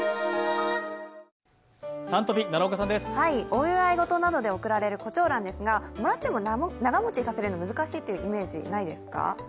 お祝い事などで送られる胡蝶蘭ですがもらっても長もちさせるの難しいというイメージはないですか？